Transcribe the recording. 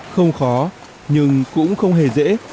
không khó nhưng cũng không hề dễ